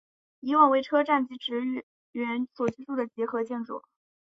以往为车站及职员居所的结合建筑。